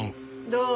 どう？